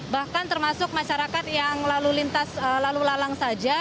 bahkan termasuk masyarakat yang lalu lintas lalu lalang saja